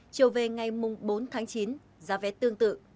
chiều về ngày mùng bốn tháng chín giá vé tương tự